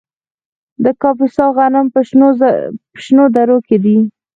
د کاپیسا غنم په شنو درو کې دي.